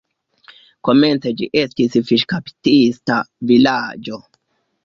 Komence ĝi estis fiŝkaptista vilaĝo.